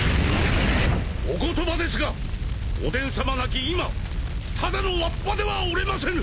お言葉ですがおでんさま亡き今ただのわっぱではおれませぬ！